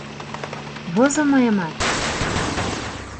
— Возо мыйымат.